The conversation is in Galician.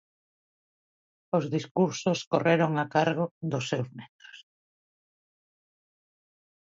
Os discursos correron a cargo dos seus netos.